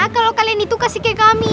kalau kalian itu kasih ke kami